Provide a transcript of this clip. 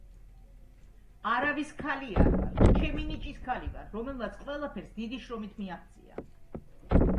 არავის ქალი არ ვარ, ჩემი ნიჭის ქალი ვარ, რომელმაც ყველაფერს დიდი შრომით მიაღწია.